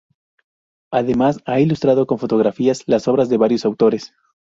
Además, ha ilustrado con fotografías las obras de varios autores.